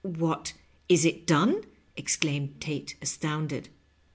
" What, is it done ?" exclaimed Tale, astounded.